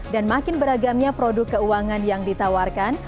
dan makin beragamnya produk keuangan yang ditawarkan